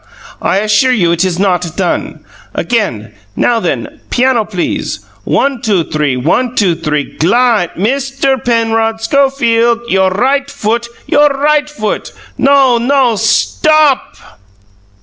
I assure you it is not done. Again! Now then! Piano, please! One two three; one two three glide! Mr. Penrod Schofield, your right foot your right foot! No, no! Stop!"